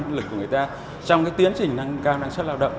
cái năng lực của người ta trong cái tiến trình năng cao năng suất lao động